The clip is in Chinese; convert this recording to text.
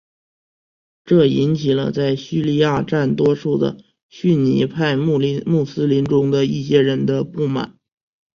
这引起了在叙利亚占多数的逊尼派穆斯林中的一些人的不满。